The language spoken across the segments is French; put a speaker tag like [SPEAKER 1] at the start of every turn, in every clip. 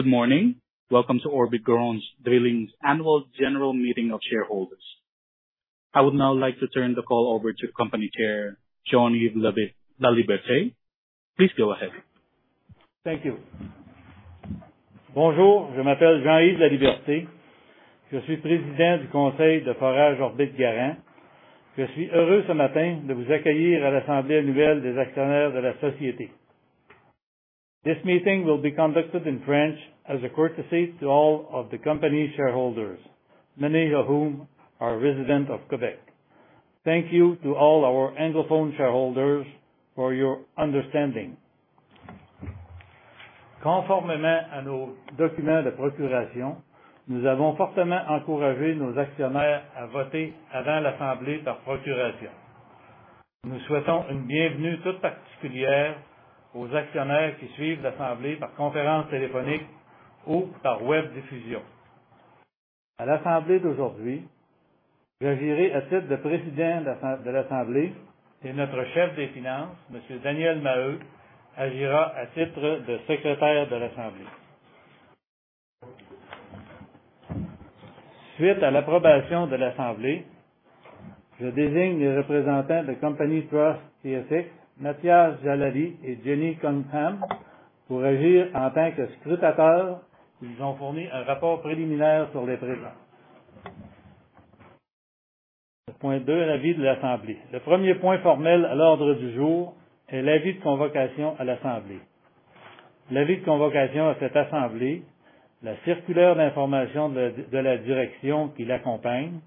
[SPEAKER 1] Good morning! Welcome to Orbit Garant Drilling's Annual General Meeting of Shareholders. I would now like to turn the call over to Company Chair, Jean-Yves Laliberté. Please, go ahead.
[SPEAKER 2] Thank you. Bonjour, je m'appelle Jean-Yves Laliberté. Je suis président du conseil de forage Orbit Garant. Je suis heureux ce matin de vous accueillir à l'assemblée annuelle des actionnaires de la société. This meeting will be conducted in French as a courtesy to all of the company's shareholders, many of whom are residents of Quebec. Thank you to all our Anglophone shareholders for your understanding. Conformément à nos documents de procuration, nous avons fortement encouragé nos actionnaires à voter avant l'assemblée par procuration. Nous souhaitons une bienvenue toute particulière aux actionnaires qui suivent l'assemblée par conférence téléphonique ou par web diffusion. À l'assemblée d'aujourd'hui, j'agirai à titre de président de l'assemblée et notre chef des finances, Monsieur Daniel Maheux, agira à titre de secrétaire de l'assemblée. Suite à l'approbation de l'assemblée, je désigne les représentants de Company Trust TSX, Matthias Jalali et Jenny Cunningham, pour agir en tant que scrutateurs. Ils ont fourni un rapport préliminaire sur les présents. Point deux. Avis de l'assemblée. Le premier point formel à l'ordre du jour est l'avis de convocation à l'assemblée. L'avis de convocation à cette assemblée, la circulaire d'information de la direction qui l'accompagne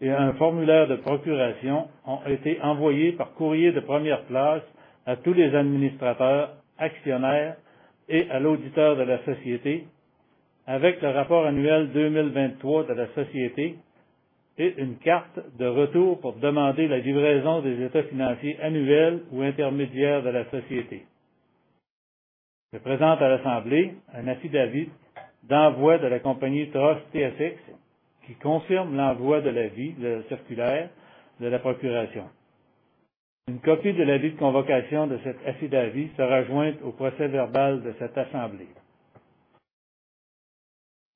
[SPEAKER 2] et un formulaire de procuration ont été envoyés par courrier de première classe à tous les administrateurs, actionnaires et à l'auditeur de la société, avec le rapport annuel 2023 de la société et une carte de retour pour demander la livraison des états financiers annuels ou intermédiaires de la société. Je présente à l'assemblée un affidavit d'envoi de la compagnie Trust TSX, qui confirme l'envoi de l'avis de la circulaire de la procuration. Une copie de l'avis de convocation de cet affidavit sera jointe au procès-verbal de cette assemblée.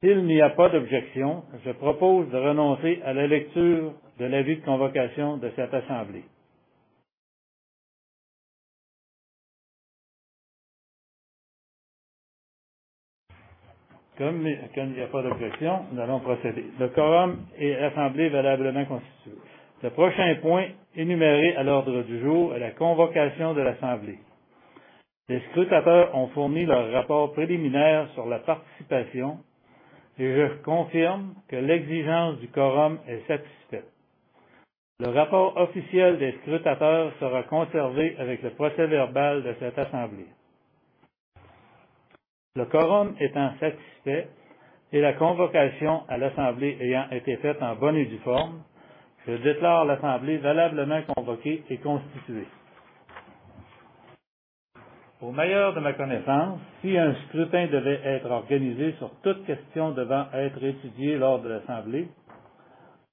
[SPEAKER 2] S'il n'y a pas d'objection, je propose de renoncer à la lecture de l'avis de convocation de cette assemblée. Comme il n'y a pas d'objection, nous allons procéder. Le quorum est atteint et l'assemblée est valablement constituée. Le prochain point énuméré à l'ordre du jour est la convocation de l'assemblée. Les scrutateurs ont fourni leur rapport préliminaire sur la participation et je confirme que l'exigence du quorum est satisfaite. Le rapport officiel des scrutateurs sera conservé avec le procès-verbal de cette assemblée. Le quorum étant satisfait et la convocation à l'assemblée ayant été faite en bonne et due forme, je déclare l'assemblée valablement convoquée et constituée. Au meilleur de ma connaissance, si un scrutin devait être organisé sur toute question devant être étudiée lors de l'assemblée,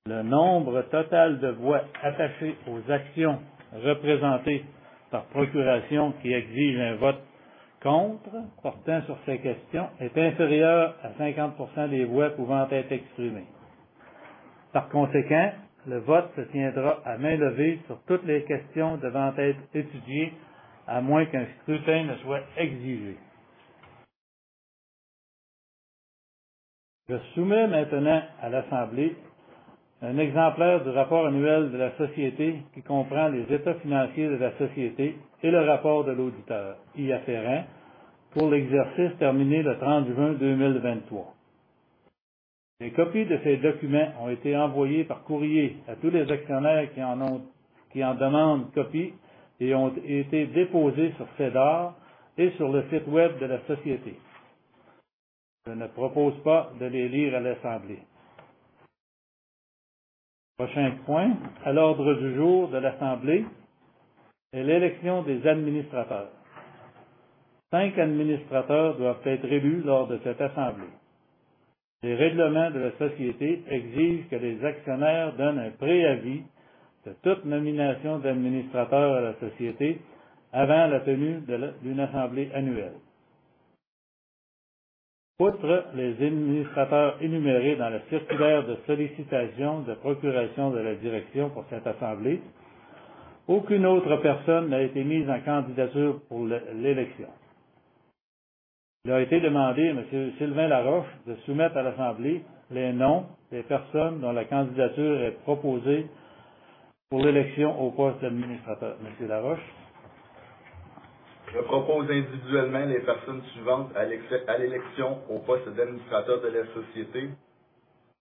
[SPEAKER 2] le nombre total de voix attachées aux actions représentées par procuration, qui exigent un vote contre portant sur ces questions, est inférieur à 50% des voix pouvant être exprimées. Par conséquent, le vote se tiendra à main levée sur toutes les questions devant être étudiées, à moins qu'un scrutin ne soit exigé. Je soumets maintenant à l'assemblée un exemplaire du rapport annuel de la société, qui comprend les états financiers de la société et le rapport de l'auditeur y afférent pour l'exercice terminé le 30 juin 2023. Des copies de ces documents ont été envoyées par courrier à tous les actionnaires qui en ont demandé copie et ont été déposées sur SEDAR et sur le site web de la société. Je ne propose pas de les lire à l'assemblée. Le prochain point à l'ordre du jour de l'assemblée est l'élection des administrateurs. Cinq administrateurs doivent être élus lors de cette assemblée. Les règlements de la société exigent que les actionnaires donnent un préavis de toute nomination d'administrateur à la société avant la tenue d'une assemblée annuelle. Outre les administrateurs énumérés dans la circulaire de sollicitation de procuration de la direction pour cette assemblée, aucune autre personne n'a été mise en candidature pour l'élection. Il a été demandé à Monsieur Sylvain Laroche de soumettre à l'assemblée les noms des personnes dont la candidature est proposée pour élection au poste d'administrateur. Monsieur Laroche?
[SPEAKER 3] Je propose individuellement les personnes suivantes à l'élection au poste d'administrateur de la société,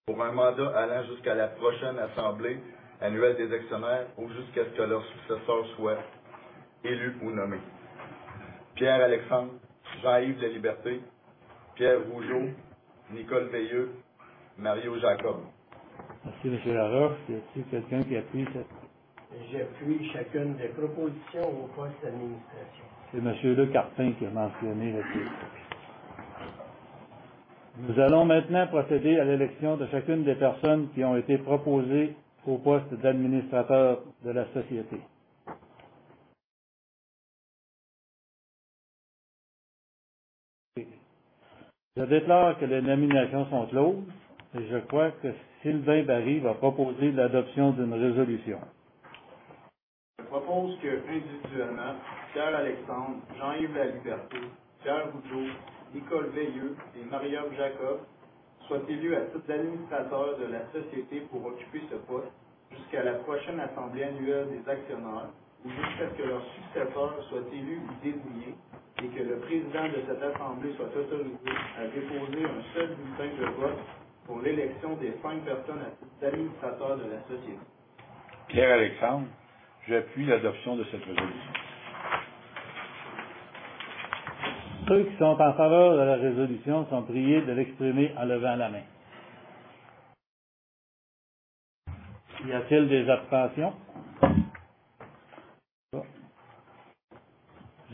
[SPEAKER 3] pour un mandat allant jusqu'à la prochaine assemblée annuelle des actionnaires ou jusqu'à ce que leur successeur soit élu ou nommé: Pierre Alexandre, Jean-Yves Laliberté, Pierre Rougeau, Nicole Veilleux, Mario Jacob.
[SPEAKER 2] Merci, Monsieur Laroche. Y a-t-il quelqu'un qui appuie cette-
[SPEAKER 1] J'appuie chacune des propositions au poste d'administration.
[SPEAKER 2] C'est Monsieur Lecarpin qui a mentionné le tout. Nous allons maintenant procéder à l'élection de chacune des personnes qui ont été proposées au poste d'administrateur de la société. Je déclare que les nominations sont closes et je crois que Sylvain Baril va proposer l'adoption d'une résolution.
[SPEAKER 3] Je propose que individuellement, Pierre Alexandre, Jean-Yves Laliberté, Pierre Boudreau, Nicole Veilleux et Marie-Eve Jacob soient élus à titre d'administrateurs de la société pour occuper ce poste jusqu'à la prochaine assemblée annuelle des actionnaires ou jusqu'à ce que leurs successeurs soient élus ou désignés et que le Président de cette assemblée soit autorisé à déposer un seul bulletin de vote pour l'élection des cinq personnes à titre d'administrateurs de la société.
[SPEAKER 4] Pierre Alexandre: J'appuie l'adoption de cette résolution.
[SPEAKER 2] Ceux qui sont en faveur de la résolution sont priés de l'exprimer en levant la main. Y a-t-il des abstentions?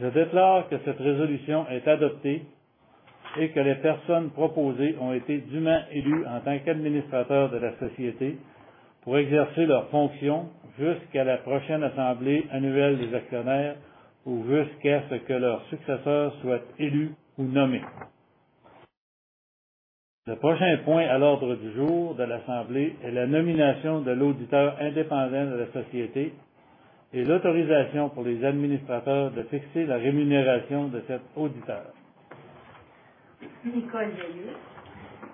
[SPEAKER 2] Je déclare que cette résolution est adoptée et que les personnes proposées ont été dûment élues en tant qu'administrateurs de la société, pour exercer leurs fonctions jusqu'à la prochaine assemblée annuelle des actionnaires ou jusqu'à ce que leurs successeurs soient élus ou nommés. Le prochain point à l'ordre du jour de l'assemblée est la nomination de l'auditeur indépendant de la société et l'autorisation pour les Administrateurs de fixer la rémunération de cet auditeur.
[SPEAKER 5] Nicole Veilleux.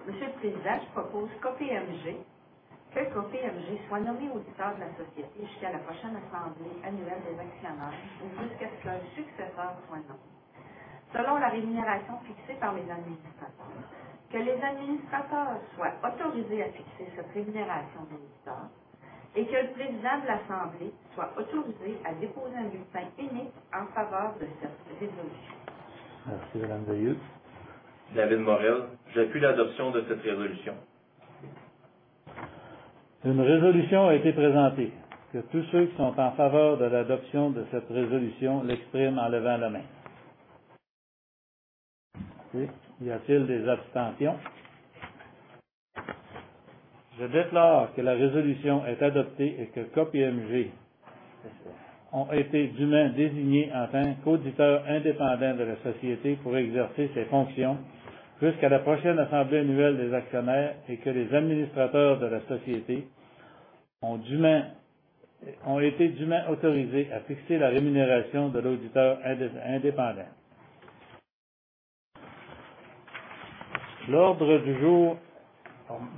[SPEAKER 5] Monsieur le Président, je propose que KPMG soit nommé auditeur de la société jusqu'à la prochaine assemblée annuelle des actionnaires ou jusqu'à ce que leur successeur soit nommé, selon la rémunération fixée par les administrateurs, que les administrateurs soient autorisés à fixer cette rémunération d'auditeur et que le Président de l'Assemblée soit autorisé à déposer un bulletin unique en faveur de cette résolution.
[SPEAKER 2] Merci, Madame Veilleux.
[SPEAKER 3] David Morel, j'appuie l'adoption de cette résolution.
[SPEAKER 2] Une résolution a été présentée. Que tous ceux qui sont en faveur de l'adoption de cette résolution l'expriment en levant la main. OK. Y a-t-il des abstentions? Je déclare que la résolution est adoptée et que KPMG ont été dûment désignés en tant qu'auditeur indépendant de la société pour exercer ses fonctions jusqu'à la prochaine assemblée annuelle des actionnaires et que les administrateurs de la société ont été dûment autorisés à fixer la rémunération de l'auditeur indépendant. L'ordre du jour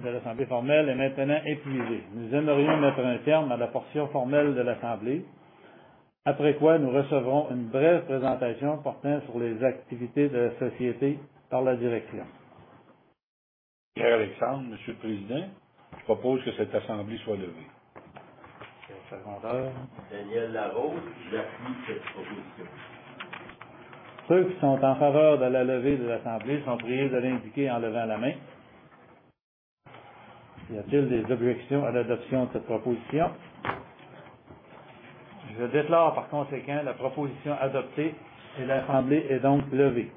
[SPEAKER 2] de l'assemblée formelle est maintenant épuisé. Nous aimerions mettre un terme à la portion formelle de l'assemblée, après quoi nous recevrons une brève présentation portant sur les activités de la société par la direction.
[SPEAKER 4] Pierre Alexandre, Monsieur le Président, je propose que cette assemblée soit levée.
[SPEAKER 2] Il y a un secondeur?
[SPEAKER 1] Daniel Lavaud, j'appuie cette proposition.
[SPEAKER 2] Ceux qui sont en faveur de la levée de l'assemblée sont priés de l'indiquer en levant la main. Y a-t-il des objections à l'adoption de cette proposition? Je déclare par conséquent la proposition adoptée et l'assemblée est donc levée.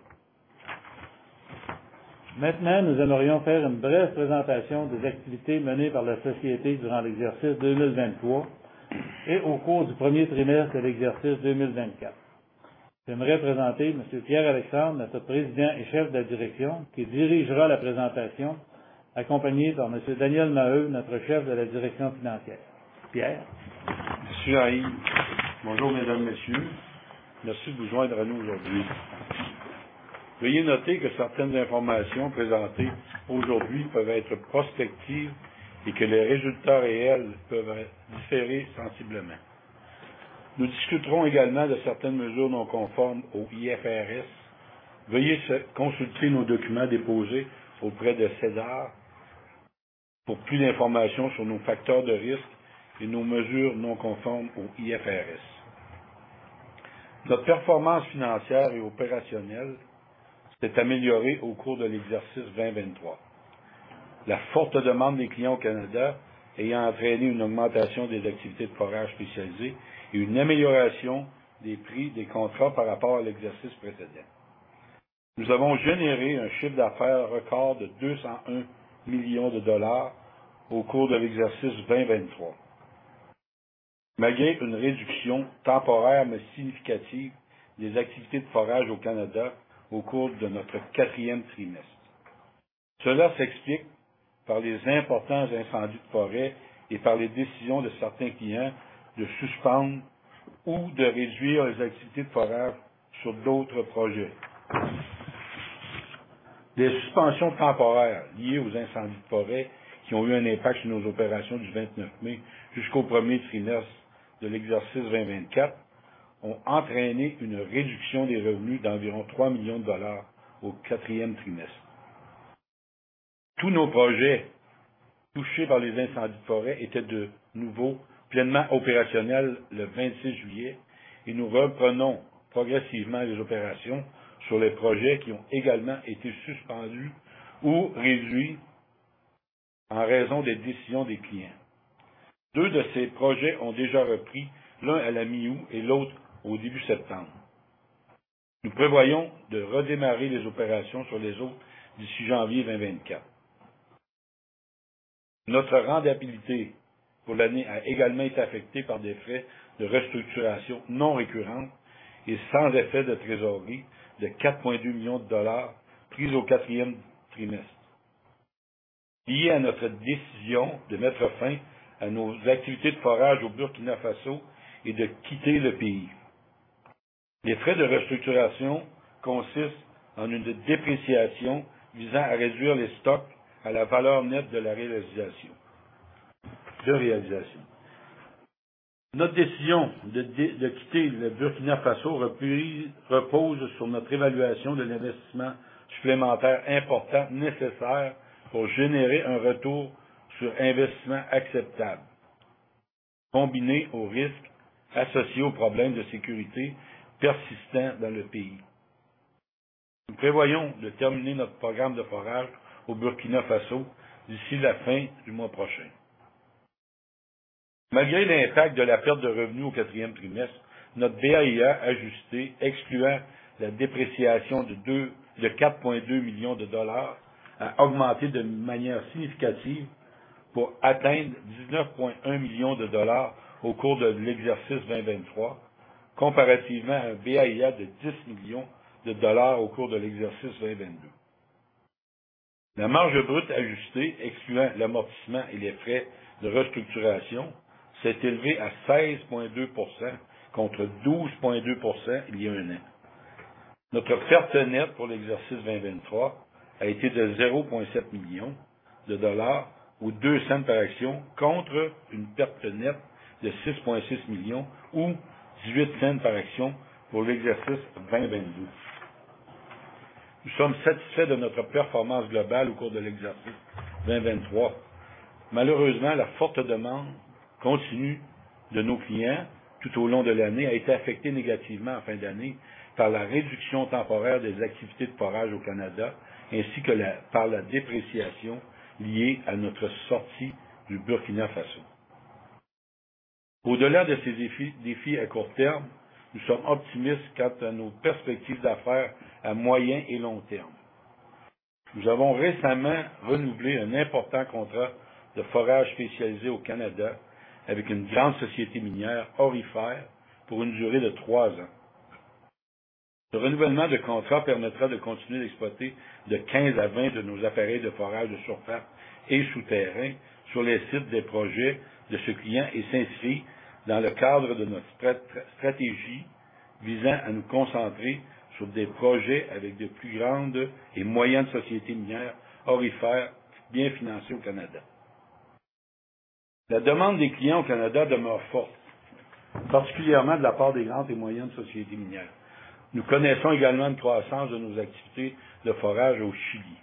[SPEAKER 2] Maintenant, nous aimerions faire une brève présentation des activités menées par la société durant l'exercice 2023 et au cours du premier trimestre de l'exercice 2024. J'aimerais présenter Monsieur Pierre Alexandre, notre Président et Chef de la Direction, qui dirigera la présentation, accompagné par Monsieur Daniel Maheux, notre Chef de la Direction Financière. Pierre?
[SPEAKER 4] Monsieur Jean, bonjour, Mesdames, Messieurs. Merci de vous joindre à nous aujourd'hui. Veuillez noter que certaines informations présentées aujourd'hui peuvent être prospectives et que les résultats réels peuvent différer sensiblement. Nous discuterons également de certaines mesures non conformes aux IFRS. Veuillez consulter nos documents déposés auprès de SEDAR pour plus d'informations sur nos facteurs de risque et nos mesures non conformes aux IFRS. Notre performance financière et opérationnelle s'est améliorée au cours de l'exercice 2023. La forte demande des clients au Canada ayant entraîné une augmentation des activités de forage spécialisées et une amélioration des prix des contrats par rapport à l'exercice précédent. Nous avons généré un chiffre d'affaires record de 201 millions de dollars au cours de l'exercice 2023, malgré une réduction temporaire, mais significative des activités de forage au Canada au cours de notre quatrième trimestre. Cela s'explique par les importants incendies de forêt et par les décisions de certains clients de suspendre ou de réduire les activités de forage sur d'autres projets. Des suspensions temporaires liées aux incendies de forêt, qui ont eu un impact sur nos opérations du 29 mai jusqu'au premier trimestre de l'exercice 2024, ont entraîné une réduction des revenus d'environ 3 millions de dollars au quatrième trimestre. Tous nos projets touchés par les incendies de forêt étaient de nouveau pleinement opérationnels le 26 juillet et nous reprenons progressivement les opérations sur les projets qui ont également été suspendus ou réduits en raison des décisions des clients. Deux de ces projets ont déjà repris, l'un à la mi-août et l'autre au début septembre. Nous prévoyons de redémarrer les opérations sur les autres d'ici janvier 2024. Notre rentabilité pour l'année a également été affectée par des frais de restructuration non récurrents et sans effet de trésorerie de $4,2 millions, pris au quatrième trimestre, liés à notre décision de mettre fin à nos activités de forage au Burkina Faso et de quitter le pays. Les frais de restructuration consistent en une dépréciation visant à réduire les stocks à la valeur nette de réalisation. Notre décision de quitter le Burkina Faso repose sur notre évaluation de l'investissement supplémentaire important nécessaire pour générer un retour sur investissement acceptable, combiné aux risques associés aux problèmes de sécurité persistants dans le pays. Nous prévoyons de terminer notre programme de forage au Burkina Faso d'ici la fin du mois prochain. Malgré l'impact de la perte de revenus au quatrième trimestre, notre BAIIA ajusté, excluant la dépréciation de 4,2 millions de dollars, a augmenté de manière significative pour atteindre 19,1 millions de dollars au cours de l'exercice 2023, comparativement à un BAIIA de 10 millions de dollars au cours de l'exercice 2022. La marge brute ajustée, excluant l'amortissement et les frais de restructuration, s'est élevée à 16,2%, contre 12,2% il y a un an. Notre perte nette pour l'exercice 2023 a été de 0,7 million de dollars ou 2 cents par action, contre une perte nette de 6,6 millions ou 18 cents par action pour l'exercice 2022. Nous sommes satisfaits de notre performance globale au cours de l'exercice 2023. Malheureusement, la forte demande continue de nos clients tout au long de l'année a été affectée négativement en fin d'année par la réduction temporaire des activités de forage au Canada, ainsi que par la dépréciation liée à notre sortie du Burkina Faso. Au-delà de ces défis à court terme, nous sommes optimistes quant à nos perspectives d'affaires à moyen et long terme. Nous avons récemment renouvelé un important contrat de forage spécialisé au Canada avec une grande société minière aurifère, pour une durée de trois ans. Le renouvellement de contrat permettra de continuer d'exploiter de quinze à vingt de nos appareils de forage de surface et souterrains sur les sites des projets de ce client et s'inscrit dans le cadre de notre stratégie visant à nous concentrer sur des projets avec de plus grandes et moyennes sociétés minières aurifères bien financées au Canada. La demande des clients au Canada demeure forte, particulièrement de la part des grandes et moyennes sociétés minières. Nous connaissons également une croissance de nos activités de forage au Chili.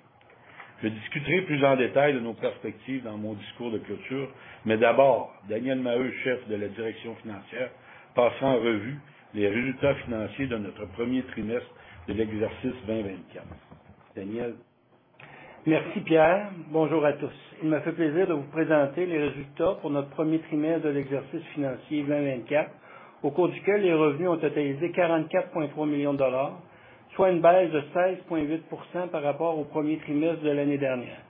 [SPEAKER 4] Je discuterai plus en détail de nos perspectives dans mon discours de clôture, mais d'abord, Daniel Maheux, Chef de la Direction Financière, passera en revue les résultats financiers de notre premier trimestre de l'exercice 2024. Daniel?
[SPEAKER 6] Merci Pierre. Bonjour à tous. Il me fait plaisir de vous présenter les résultats pour notre premier trimestre de l'exercice financier 2024, au cours duquel les revenus ont totalisé 44,3 millions de dollars, soit une baisse de 16,8% par rapport au premier trimestre de l'année dernière.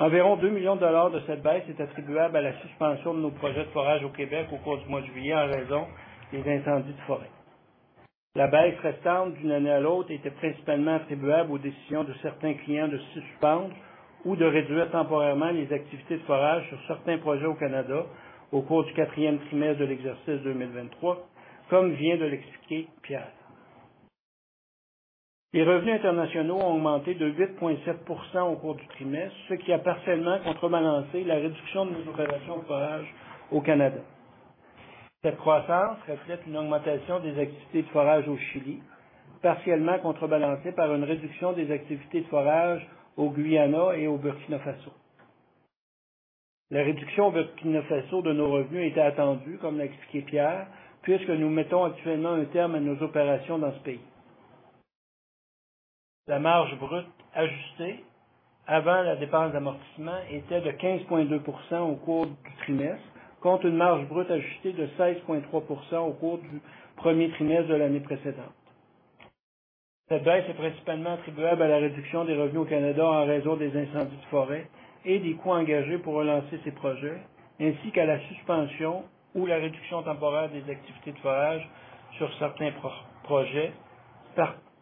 [SPEAKER 6] Environ 2 millions de dollars de cette baisse est attribuable à la suspension de nos projets de forage au Québec au cours du mois de juillet, en raison des incendies de forêt. La baisse restante d'une année à l'autre était principalement attribuable aux décisions de certains clients de suspendre ou de réduire temporairement les activités de forage sur certains projets au Canada au cours du quatrième trimestre de l'exercice 2023, comme vient de l'expliquer Pierre. Les revenus internationaux ont augmenté de 8,7% au cours du trimestre, ce qui a partiellement contrebalancé la réduction de nos opérations de forage au Canada. Cette croissance reflète une augmentation des activités de forage au Chili, partiellement contrebalancée par une réduction des activités de forage au Guyana et au Burkina Faso. La réduction au Burkina Faso de nos revenus était attendue, comme l'a expliqué Pierre, puisque nous mettons actuellement un terme à nos opérations dans ce pays. La marge brute ajustée avant la dépense d'amortissement était de 15,2% au cours du trimestre, contre une marge brute ajustée de 16,3% au cours du premier trimestre de l'année précédente. Cette baisse est principalement attribuable à la réduction des revenus au Canada en raison des incendies de forêt et des coûts engagés pour relancer ces projets, ainsi qu'à la suspension ou la réduction temporaire des activités de forage sur certains projets,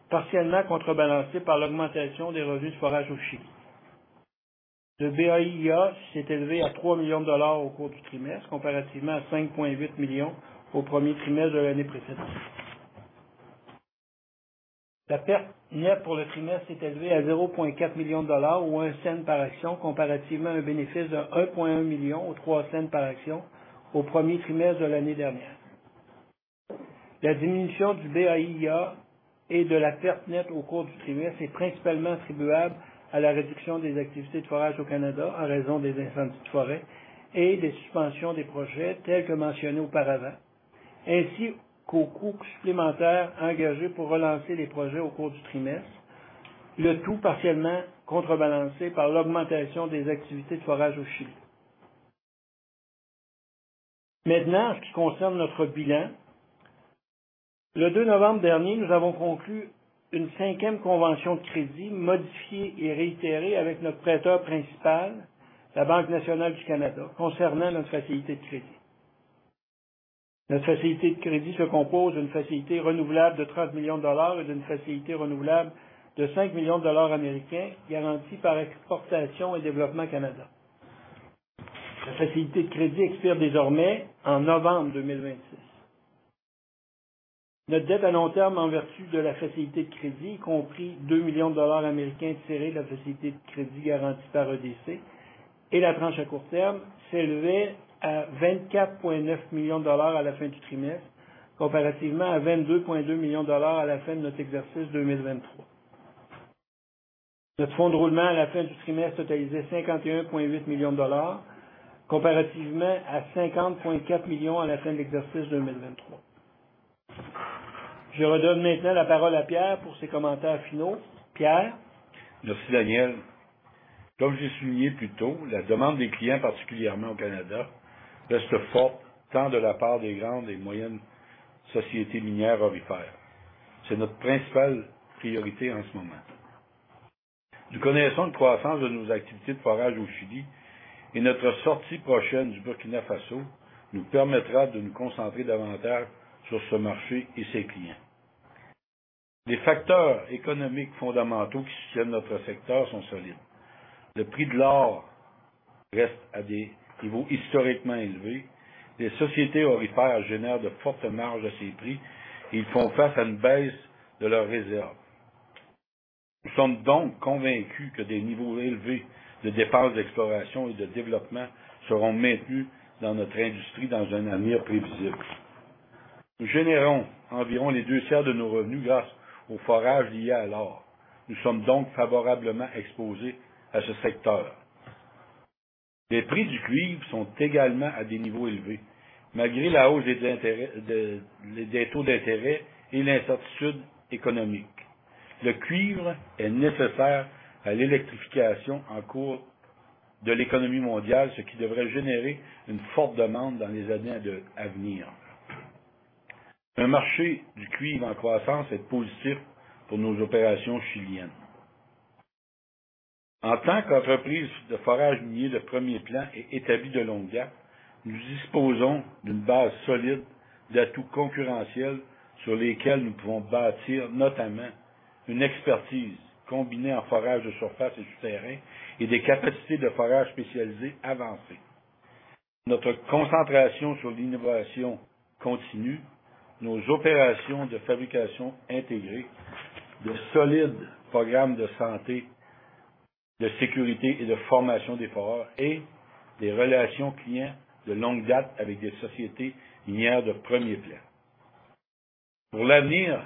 [SPEAKER 6] partiellement contrebalancée par l'augmentation des revenus de forage au Chili. Le BAIA s'est élevé à 3 millions de dollars au cours du trimestre, comparativement à 5,8 millions au premier trimestre de l'année précédente. La perte nette pour le trimestre s'est élevée à 0,4 million de dollars ou 1 cent par action, comparativement à un bénéfice de 1,1 million ou 3 cents par action au premier trimestre de l'année dernière. La diminution du BAIIA et de la perte nette au cours du trimestre est principalement attribuable à la réduction des activités de forage au Canada en raison des incendies de forêt et des suspensions des projets tels que mentionnés auparavant, ainsi qu'aux coûts supplémentaires engagés pour relancer les projets au cours du trimestre, le tout partiellement contrebalancé par l'augmentation des activités de forage au Chili. Maintenant, en ce qui concerne notre bilan, le 2 novembre dernier, nous avons conclu une cinquième convention de crédit modifiée et réitérée avec notre prêteur principal, la Banque Nationale du Canada, concernant notre facilité de crédit. Notre facilité de crédit se compose d'une facilité renouvelable de 30 millions de dollars et d'une facilité renouvelable de 5 millions de dollars américains, garantis par Exportation et Développement Canada. La facilité de crédit expire désormais en novembre 2026. Notre dette à long terme en vertu de la facilité de crédit, y compris 2 millions de dollars américains tirés de la facilité de crédit garantie par EDC et la tranche à court terme, s'élevait à 24,9 millions de dollars à la fin du trimestre, comparativement à 22,2 millions de dollars à la fin de notre exercice 2023. Notre fonds de roulement à la fin du trimestre totalisait 51,8 millions de dollars, comparativement à 50,4 millions à la fin de l'exercice 2023. Je redonne maintenant la parole à Pierre pour ses commentaires finaux. Pierre?
[SPEAKER 4] Merci Daniel. Comme je l'ai souligné plus tôt, la demande des clients, particulièrement au Canada, reste forte, tant de la part des grandes et moyennes sociétés minières aurifères. C'est notre principale priorité en ce moment. Nous connaissons une croissance de nos activités de forage au Chili et notre sortie prochaine du Burkina Faso nous permettra de nous concentrer davantage sur ce marché et ses clients. Les facteurs économiques fondamentaux qui soutiennent notre secteur sont solides. Le prix de l'or reste à des niveaux historiquement élevés. Les sociétés aurifères génèrent de fortes marges à ces prix et elles font face à une baisse de leurs réserves. Nous sommes donc convaincus que des niveaux élevés de dépenses d'exploration et de développement seront maintenus dans notre industrie dans un avenir prévisible. Nous générons environ les deux tiers de nos revenus grâce au forage lié à l'or. Nous sommes donc favorablement exposés à ce secteur. Les prix du cuivre sont également à des niveaux élevés. Malgré la hausse des intérêts, des taux d'intérêt et l'incertitude économique, le cuivre est nécessaire à l'électrification en cours de l'économie mondiale, ce qui devrait générer une forte demande dans les années à venir. Un marché du cuivre en croissance est positif pour nos opérations chiliennes. En tant qu'entreprise de forage minier de premier plan et établie de longue date, nous disposons d'une base solide d'atouts concurrentiels sur lesquels nous pouvons bâtir, notamment une expertise combinée en forage de surface et souterrain et des capacités de forage spécialisées avancées. Notre concentration sur l'innovation continue, nos opérations de fabrication intégrées, de solides programmes de santé, de sécurité et de formation des foreurs et des relations clients de longue date avec des sociétés minières de premier plan. Pour l'avenir,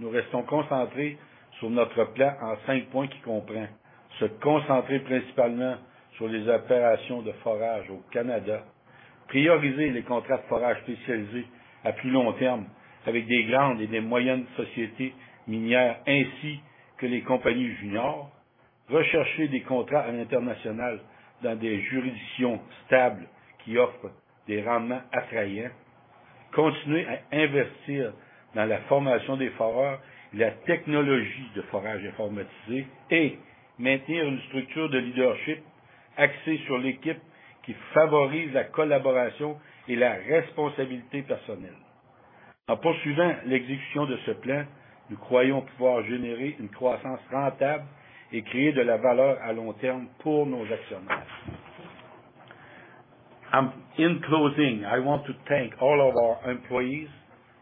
[SPEAKER 4] nous restons concentrés sur notre plan en cinq points, qui comprend: se concentrer principalement sur les opérations de forage au Canada, prioriser les contrats de forage spécialisés à plus long terme avec des grandes et des moyennes sociétés minières ainsi que les compagnies juniors, rechercher des contrats à l'international dans des juridictions stables qui offrent des rendements attrayants, continuer à investir dans la formation des foreurs, la technologie de forage informatisée et maintenir une structure de leadership axée sur l'équipe qui favorise la collaboration et la responsabilité personnelle. En poursuivant l'exécution de ce plan, nous croyons pouvoir générer une croissance rentable et créer de la valeur à long terme pour nos actionnaires. En conclusion, je veux remercier tous nos employés,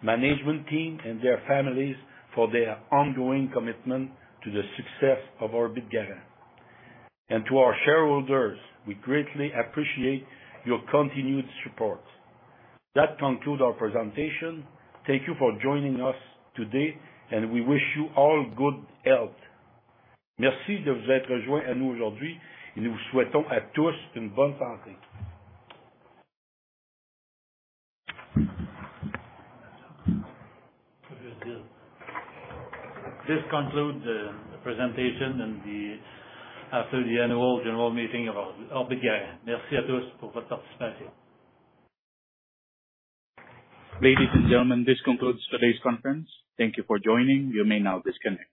[SPEAKER 4] notre équipe de direction et leurs familles pour leur engagement continu envers le succès d'Orbit Garant. And to our shareholders, we greatly appreciate your continued support. That concludes our presentation. Thank you for joining us today and we wish you all good health. Merci de vous être joint à nous aujourd'hui et nous vous souhaitons à tous une bonne santé.
[SPEAKER 6] This concludes the presentation and the, after the annual general meeting of Orbit Garant. Merci à tous pour votre participation.
[SPEAKER 1] Ladies and gentlemen, this concludes today's conference. Thank you for joining. You may now disconnect.